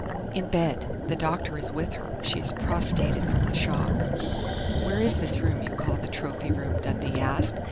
"In bed. The doctor is with her. She is prostrated from the shock." "Where is this room you call the trophy room?" Dundee asked.